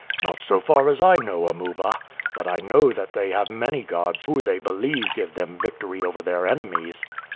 "Not so far as I know, Amuba; but I know that they have many gods who they believe give them victory over their enemies."